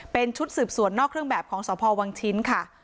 เป็นชุดสืบสวนนอกเครื่องแบบของสพวังชิ้นค่ะ